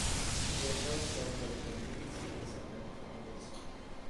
Their first child was the leading civil servant Mona Wilson.